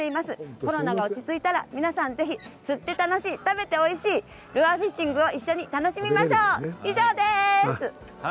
コロナが落ち着いたら釣って楽しい食べて楽しいルアーフィッシングを一緒に楽しみましょう、以上です。